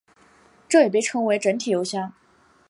这也被称为整体油箱。